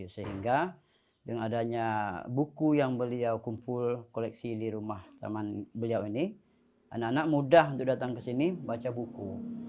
sehingga dengan adanya buku yang beliau kumpul koleksi di rumah taman beliau ini anak anak mudah untuk datang ke sini baca buku